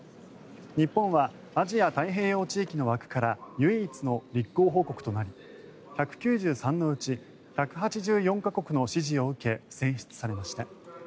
日本はアジア太平洋地域の枠から唯一の立候補国となり１９３のうち１８４か国の支持を受け選出されました。